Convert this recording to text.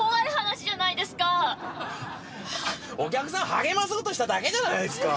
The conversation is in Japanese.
励まそうとしただけじゃないっすか。